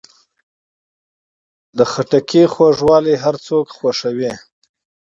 د خربوزو خوږوالی هر څوک خوښوي.